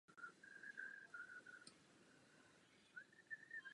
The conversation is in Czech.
Důležité je také dobré větrání.